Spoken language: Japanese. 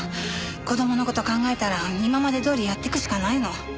子供の事を考えたら今までどおりやっていくしかないの。